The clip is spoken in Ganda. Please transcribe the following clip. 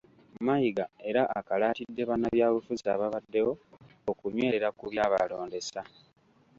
Mayiga era akalaatidde bannabyabufuzi ababaddewo okunywerera ku byabalondesa.